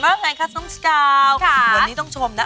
มาแดดคัทน้องสกาวค่ะวันนี้ต้องชมนะ